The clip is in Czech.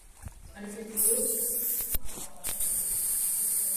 Leží v bezprostřední blízkosti okresního města Horn.